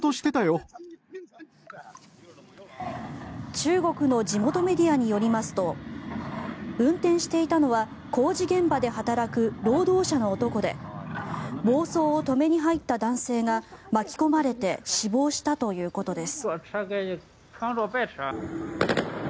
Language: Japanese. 中国の地元メディアによりますと運転していたのは工事現場で働く労働者の男で暴走を止めに入った男性が巻き込まれて死亡したということです。